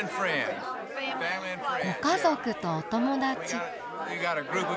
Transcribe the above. ご家族とお友達。